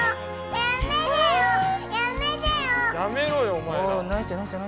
やめろよお前ら。